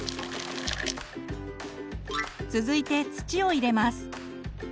続いて土を入れます。